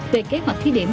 về kế hoạch thí điểm